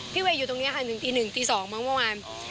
เวย์อยู่ตรงนี้ค่ะ๑ตี๑ตี๒มั้งเมื่อวาน